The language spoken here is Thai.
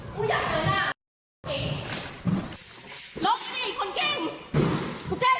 กลับมากยาว